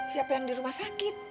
siapa yang di rumah sakit